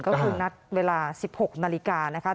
ก็คือนัดเวลา๑๖นนะครับ